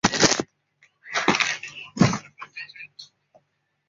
出身于日本东京都。